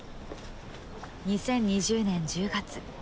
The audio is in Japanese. ２０２０年１０月。